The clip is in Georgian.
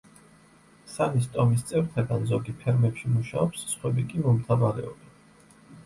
სანის ტომის წევრთაგან ზოგი ფერმებში მუშაობს, სხვები კი მომთაბარეობენ.